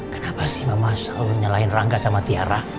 kenapa sih mama nyalahin rangga sama tiara